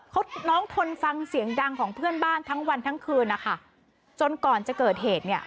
เขาน้องทนฟังเสียงดังของเพื่อนบ้านทั้งวันทั้งคืนนะคะจนก่อนจะเกิดเหตุเนี่ย